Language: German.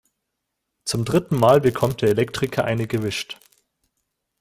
Zum dritten Mal bekommt der Elektriker eine gewischt.